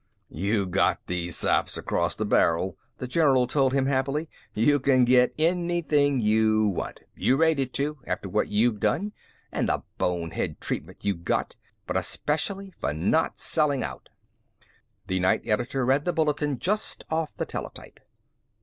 "You got these saps across the barrel," the general told him happily. "You can get anything you want. You rate it, too, after what you've done and the bonehead treatment you got but especially for not selling out." XII The night editor read the bulletin just off the teletype.